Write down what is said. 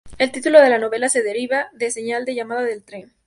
El título de la novela se deriva de señal de llamada del tren.